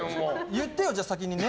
言ってよ、じゃあ先にね。